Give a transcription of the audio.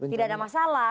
tidak ada masalah